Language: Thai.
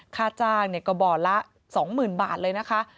ค่าจ้างก็บ่อละ๒๐๐๐บาทเลยนะคะ